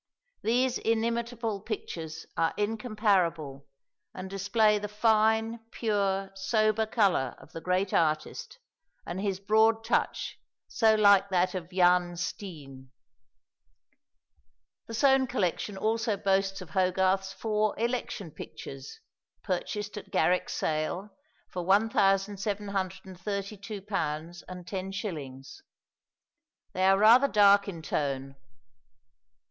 These inimitable pictures are incomparable, and display the fine, pure, sober colour of the great artist, and his broad touch so like that of Jan Steen. The Soane collection also boasts of Hogarth's four "Election" pictures, purchased at Garrick's sale for £1732 10s. They are rather dark in tone.